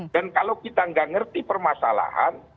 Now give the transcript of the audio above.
dan kalau kita gak ngerti permasalahan